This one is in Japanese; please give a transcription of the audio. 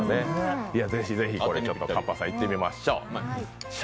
ぜひぜひかっぱさん、行ってみましょう。